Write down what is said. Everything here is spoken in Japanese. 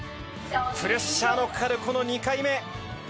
プレッシャーのかかるこの２回目。